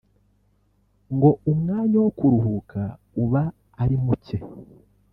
ngo umwanya wo kuruhuka uba ari mucye